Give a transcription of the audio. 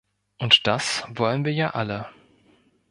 Und das wollen wir ja alle.